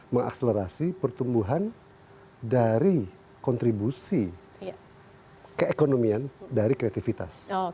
mengakselerasi pertumbuhan dari kontribusi keekonomian dari kreativitas